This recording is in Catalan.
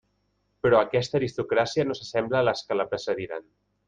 Però aquesta aristocràcia no s'assembla a les que la precediren.